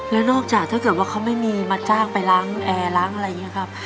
แล้วนอกจากถ้าเกิดว่าเขาไม่มีมาจ้างไปล้างแอร์ล้างอะไรอย่างนี้ครับ